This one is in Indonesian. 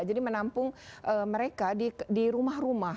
jadi menampung mereka di rumah rumah